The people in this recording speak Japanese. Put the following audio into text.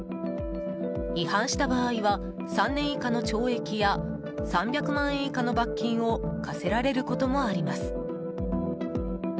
違反した場合は３年以下の懲役や３００万円以下の罰金を科せられることもあります。